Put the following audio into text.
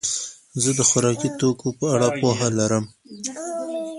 زه د خوراکي توکو په اړه پوهه لرم.